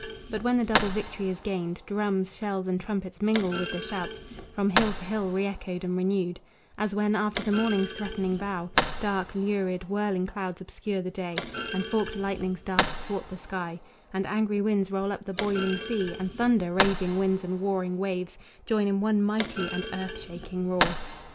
But when the double victory is gained, Drums, shells and trumpets mingle with the shouts From hill to hill re echoed and renewed As when, after the morning's threatening bow, Dark, lurid, whirling clouds obscure the day, And forked lightnings dart athwart the sky, And angry winds roll up the boiling sea, And thunder, raging winds and warring waves Join in one mighty and earth shaking roar.